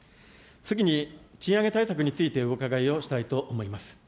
次に、賃上げ対策についてお伺いをしたいと思います。